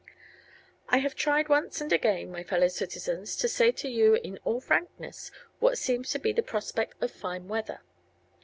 I have tried once and again, my fellow citizens, to say to you in all frankness what seems to be the prospect of fine weather.